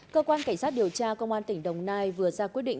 cơ quan cảnh sát điều tra công an tỉnh đồng nai vừa ra quyết định